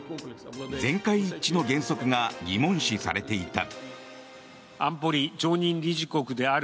全会一致の原則が疑問視されていた。